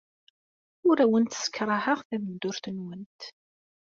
Ur awent-ssekṛaheɣ tameddurt-nwent.